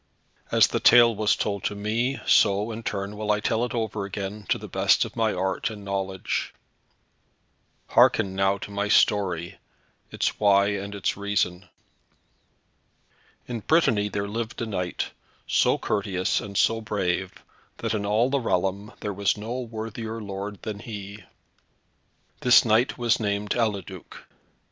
As the tale was told to me, so, in turn, will I tell it over again, to the best of my art and knowledge. Hearken now to my story, its why and its reason. In Brittany there lived a knight, so courteous and so brave, that in all the realm there was no worthier lord than he. This knight was named Eliduc.